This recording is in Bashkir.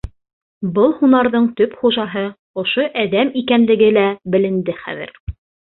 Был һунарҙың төп хужаһы ошо әҙәм икәнлеге лә беленде хәҙер.